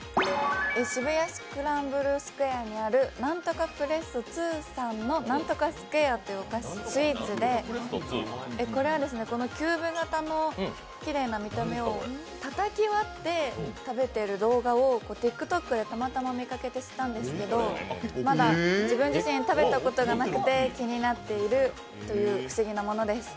渋谷スクランブルスクエアにあるなんとかプレッソ２さんにあるなんとかスクエアというお菓子でたたき割って食べている動画をＴｉｋＴｏｋでたまたま見かけて知ったんですけど、まだ自分自身、食べたことがなくて気になっているという不思議なものです。